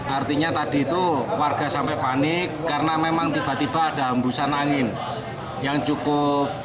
artinya tadi itu warga sampai panik karena memang tiba tiba ada hembusan angin yang cukup